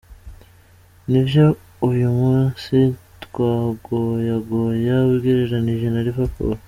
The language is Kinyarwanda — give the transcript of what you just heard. Ni vyo uyu musi twagoyagoya ugereranije na Liverpool.